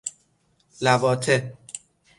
لواطه